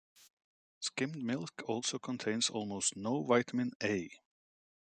Skimmed milk also contains almost no Vitamin A.